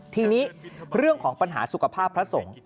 ทีนี้เรื่องของปัญหาสุขภาพพระสงฆ์